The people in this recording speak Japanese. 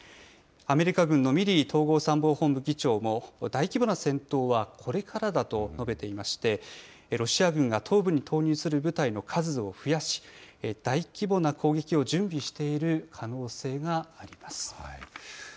アメリカ軍のミリー統合参謀本部議長も大規模な戦闘はこれからだと述べていまして、ロシア軍が東部に投入する部隊の数を増やし、大規模な攻撃を準備している可能性があります。